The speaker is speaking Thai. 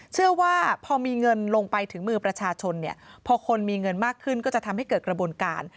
เชื่อว่าพอมีเงินลงไปถึงมือประชาชนเนี่ยพอคนมีเงินมากขึ้นก็จะทำให้เกิดกระบวนการ